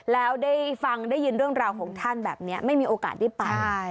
แล้วได้ฟังได้ยินเรื่องราวของท่านแบบนี้ไม่มีโอกาสได้ไป